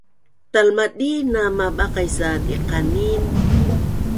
Talabanin a mabaqis a diqanin